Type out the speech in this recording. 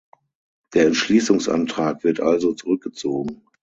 Der Entschließungsantrag wird also zurückgezogen.